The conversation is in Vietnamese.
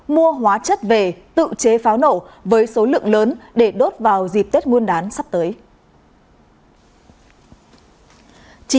mua hóa chất về tự chế pháo nổ với số lượng lớn để đốt vào dịp tết nguyên đán sắp tới